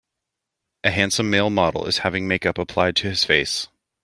A handsome male model is having makeup applied to his face.